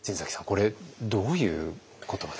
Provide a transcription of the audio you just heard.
これどういう言葉ですか？